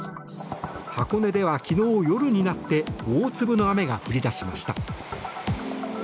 箱根では昨日夜になって大粒の雨が降り出しました。